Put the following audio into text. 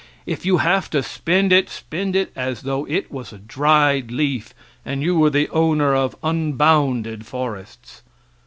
If you have to spend it, spend it as though it was a dried leaf, and you were the owner of unbounded forests.